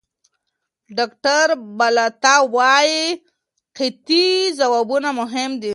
ډاکټر بالاتا وايي قطعي ځوابونه مهم دي.